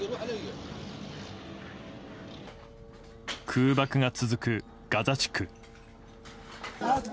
空爆が続く、ガザ地区。